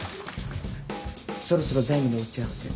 そろそろ財務の打ち合わせを。